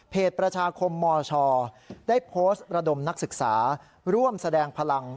ประชาคมมชได้โพสต์ระดมนักศึกษาร่วมแสดงพลัง